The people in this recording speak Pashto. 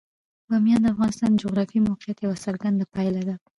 بامیان د افغانستان د جغرافیایي موقیعت یوه څرګنده پایله ده.